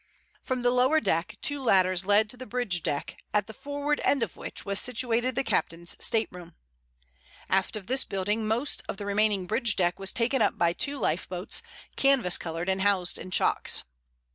From the lower deck two ladders led to the bridge deck at the forward end of which was situated the captain's stateroom. Aft of this building most of the remaining bridge deck was taken up by two lifeboats, canvas covered and housed in chocks.